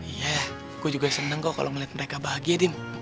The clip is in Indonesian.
iya gue juga seneng kok kalau melihat mereka bahagia tim